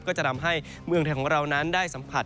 ก็จะทำให้เมืองไทยของเรานั้นได้สัมผัส